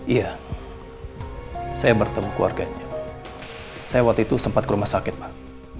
iya saya bertemu keluarganya saya waktu itu sempat ke rumah sakit pak